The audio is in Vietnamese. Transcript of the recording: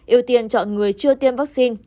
ưu tiên chọn người chưa tiêm vaccine